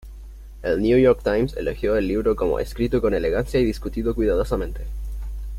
El "New York Times" elogió el libro como ""escrito con elegancia y discutido cuidadosamente"".